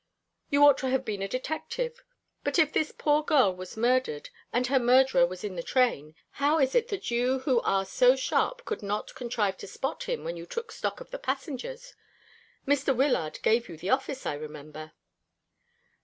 "You ought to have been a detective. But if this poor girl was murdered, and her murderer was in the train, how is it that you who are so sharp could not contrive to spot him when you took stock of the passengers? Mr. Wyllard gave you the office, I remember."